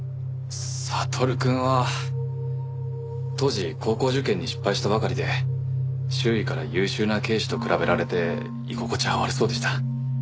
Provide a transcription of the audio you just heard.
悟くんは当時高校受験に失敗したばかりで周囲から優秀な兄姉と比べられて居心地は悪そうでした。